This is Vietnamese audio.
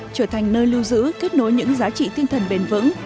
trở thành nơi lưu giữ kết nối những giá trị tinh thần bền vững